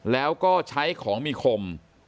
แล้วก็ใช้ของมีคม